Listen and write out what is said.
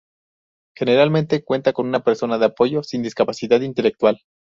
Generalmente cuentan con una persona de apoyo sin discapacidad intelectual.